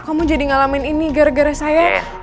kamu jadi ngalamin ini gara gara saya